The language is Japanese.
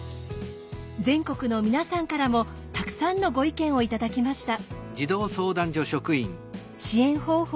全国の皆さんからもたくさんのご意見を頂きました。